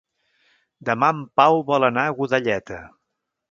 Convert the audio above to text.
Demà en Pau vol anar a Godelleta.